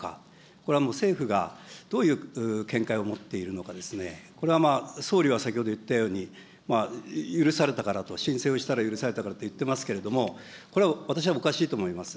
これはもう政府がどういう見解を持っているのか、これはまあ、総理は先ほど言ったように、許されたからと、申請をしたら許されたからと言ってますけれども、これは私はおかしいと思います。